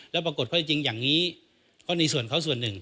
แล้วปรากฏข้อได้จริงอย่างนี้ก็มีส่วนเขาส่วนหนึ่ง